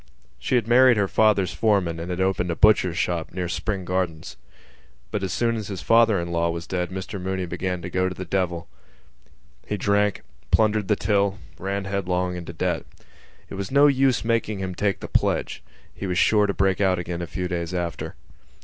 She had married her father's foreman and opened a butcher's shop near Spring Gardens. But as soon as his father in law was dead Mr Mooney began to go to the devil. He drank, plundered the till, ran headlong into debt. It was no use making him take the pledge: he was sure to break out again a few days after.